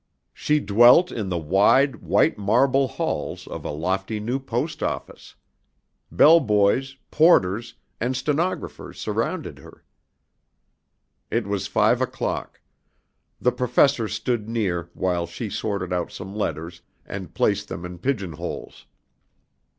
She dwelt in the wide, white marble halls of a lofty new Post Office. Bell boys, porters and stenographers surrounded her. It was five o'clock. The Professor stood near while she sorted out some letters and placed them in pigeon holes.